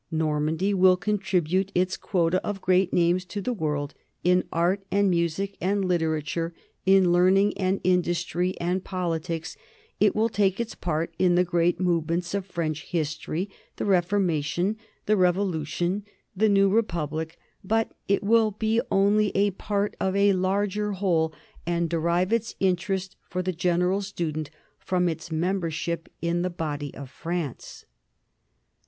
Normandy will contribute its quota of great names to the world, in art and music and literature, in learning and indus try and politics; it will take its part in the great movements of French history, the Reformation, the Revolution, the new republic; but it will be only a part of a larger whole and derive its interest for the 20 NORMANS IN EUROPEAN HISTORY general student from its membership in the body of France.